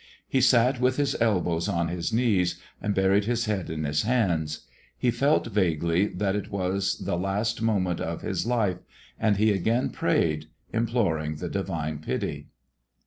He sat with his elbows on his knees and buried his head in his hands. He felt vaguely that it was the last moment of his life, and he again prayed, imploring the divine pity.